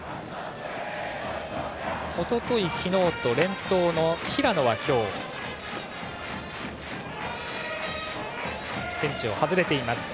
おととい、昨日と連投の平野は今日、ベンチを外れています。